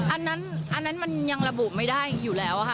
อันนั้นมันยังระบุไม่ได้อยู่แล้วค่ะ